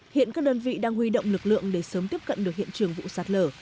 hiện các đơn vị đang huy động lực lượng để sớm tiếp cận được hiện trường vụ sạt lở